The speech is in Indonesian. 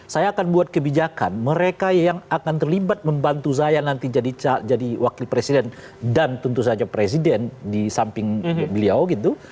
saya akan buat kebijakan mereka yang akan terlibat membantu saya nanti jadi wakil presiden dan tentu saja presiden di samping beliau gitu